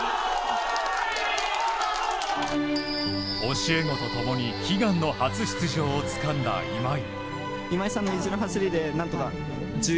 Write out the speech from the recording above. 教え子と共に悲願の初出場をつかんだ今井。